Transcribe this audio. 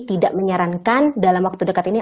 tidak menyarankan dalam waktu dekat ini